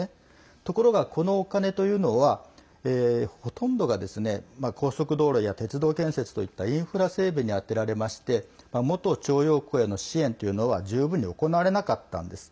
ところが、このお金というのはほとんどがですね高速道路や鉄道建設といったインフラ整備に充てられまして元徴用工への支援というのは十分に行われなかったんです。